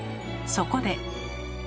そこで。